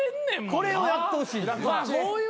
これをやってほしい。